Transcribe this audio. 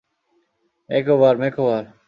Makeover, makeover.